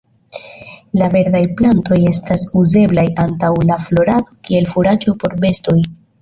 La verdaj plantoj estas uzeblaj antaŭ la florado kiel furaĝo por bestoj.